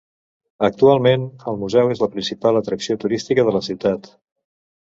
Actualment, el museu és la principal atracció turística de la ciutat.